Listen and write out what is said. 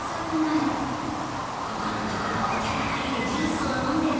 ここのところお茶ばかりでジュースを飲んでないな